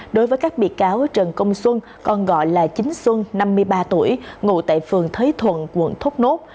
đối với các bị cáo trần công xuân còn gọi là chính xuân năm mươi ba tuổi ngụ tại phường thới thuận quận thốt nốt